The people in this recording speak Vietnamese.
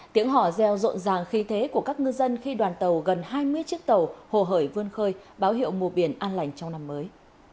tiếng hò reo rộn ràng khi thế của các ngư dân khi đoàn tàu gần hai mươi chiếc tàu hồ hởi vươn khơi báo hiệu mùa biển an lành trong năm mới